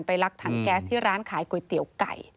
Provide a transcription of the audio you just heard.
ลักถังแก๊สที่ร้านขายก๋วยเตี๋ยวไก่